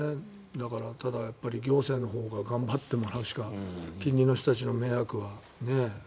だから、行政のほうが頑張ってもらうしか近隣の人たちの迷惑は。